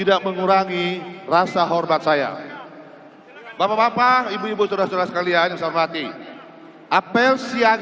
allahumma baligh makasidana ya allah